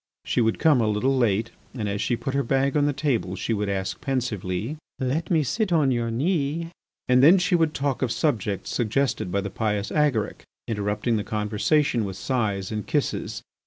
She would come a little late, and, as she put her bag on the table, she would ask pensively: "Let me sit on your knee." And then she would talk of subjects suggested by the pious Agaric, interrupting the conversation with sighs and kisses.